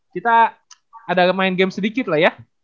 kita ada main game sedikit lah ya